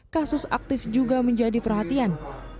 kasus aktif juga menjadi perhatian